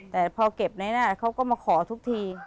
แต่พอเก็บไว้ได้เขาก็มาขอทุกที